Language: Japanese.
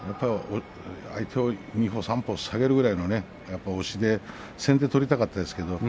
相手を２歩３歩下げるくらいの押しで、先手を取りたかったですけどね。